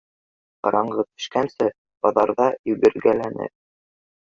Ҡараңғы төшкәнсе баҙарҙа йүгергеләнек.